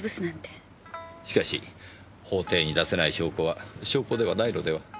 しかし法廷に出せない証拠は証拠ではないのでは？